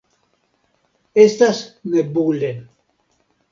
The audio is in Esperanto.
Estas nebule.